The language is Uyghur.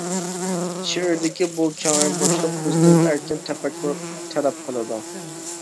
شېئىردىكى بۇ كەڭرى بوشلۇق بىزدىن ئەركىن تەپەككۇر تەلەپ قىلىدۇ.